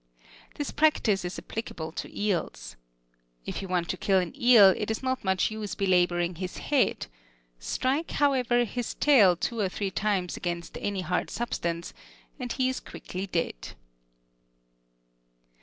This practice is applicable to eels. If you want to kill an eel, it is not much use belaboring his head: strike, however, his tail two or three times against any hard substance, and he is quickly dead.